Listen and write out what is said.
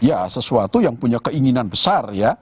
ya sesuatu yang punya keinginan besar ya